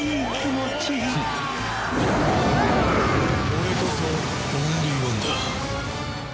俺こそオンリーワンだ。